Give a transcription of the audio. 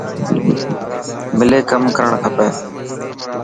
ملي ڪم ڪرڻ کپي.